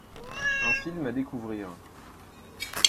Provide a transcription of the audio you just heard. Un film à découvrir.